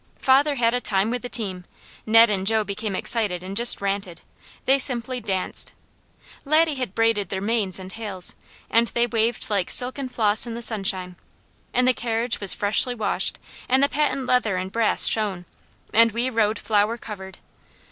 Father had a time with the team. Ned and Jo became excited and just ranted. They simply danced. Laddie had braided their manes and tails, and they waved like silken floss in the sunshine, and the carriage was freshly washed and the patent leather and brass shone, and we rode flower covered.